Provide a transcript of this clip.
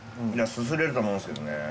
いやすすれると思うんですけどね。